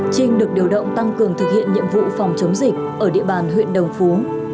trinh được điều động tăng cường thực hiện nhiệm vụ phòng chống dịch ở địa bàn huyện đồng phú